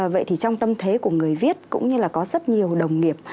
vậy thì trong tâm thế của người viết cũng như là có rất nhiều đồng nghiệp